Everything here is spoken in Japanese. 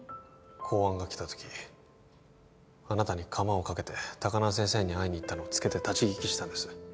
公安が来た時あなたにカマをかけて高輪先生に会いに行ったのをつけて立ち聞きしたんです